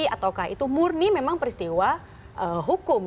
ataukah itu murni memang peristiwa hukum